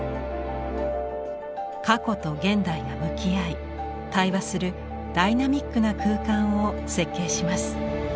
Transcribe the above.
「過去」と「現代」が向き合い対話するダイナミックな空間を設計します。